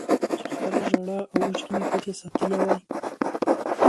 چې خپله ژړا او اوښکې مې پټې ساتلې وای